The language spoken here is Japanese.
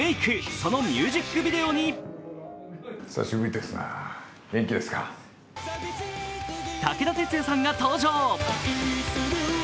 そのミュージックビデオに武田鉄矢さんが登場。